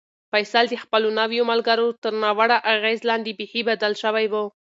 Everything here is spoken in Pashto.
فیصل د خپلو نویو ملګرو تر ناوړه اغېز لاندې بیخي بدل شوی و.